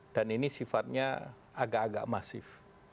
dan ini sifatnya agak agak masif